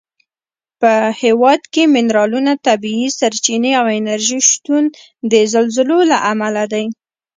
په هېواد کې منرالونه، طبیعي سرچینې او انرژي شتون د زلزلو له امله دی.